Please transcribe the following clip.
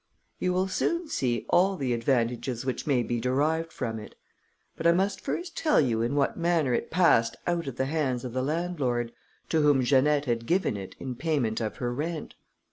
You will soon see all the advantages which may be derived from it; but I must first tell you in what manner it passed out of the hands of the landlord, to whom Janette had given it in payment of her rent.